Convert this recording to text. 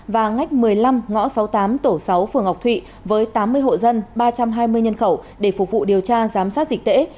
và ngách một mươi năm ngõ sáu mươi tám tổ sáu phường ngọc thụy với tám mươi hộ dân ba trăm hai mươi nhân khẩu để phục vụ điều tra giám sát dịch tễ